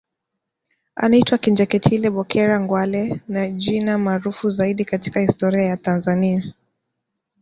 Anaitwa Kinjekitile Bokero Ngwale ni jina maarufu zaidi katika historia ya Tanzania